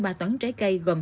gồm thành phố lào cai